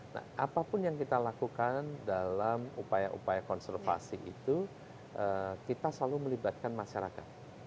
nah apapun yang kita lakukan dalam upaya upaya konservasi itu kita selalu melibatkan masyarakat